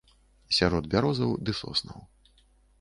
Сярод бярозаў ды соснаў.